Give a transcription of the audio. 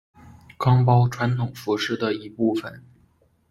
岗包传统服饰的一部分。